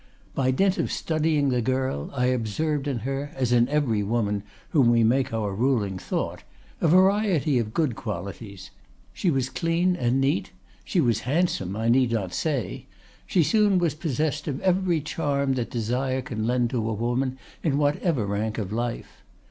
By dint of studying the girl, I observed in her, as in every woman whom we make our ruling thought, a variety of good qualities; she was clean and neat; she was handsome, I need not say; she soon was possessed of every charm that desire can lend to a woman in whatever rank of life.